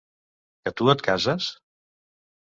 Que tu et cases?